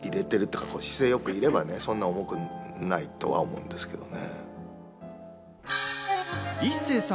力を入れているというか姿勢よくいればね、そんな重くないとは思うんですけどね。